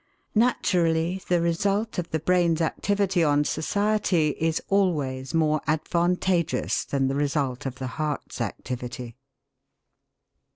Naturally the result of the brain's activity on society is always more advantageous than the result of the heart's activity.